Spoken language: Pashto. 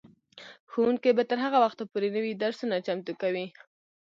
ښوونکي به تر هغه وخته پورې نوي درسونه چمتو کوي.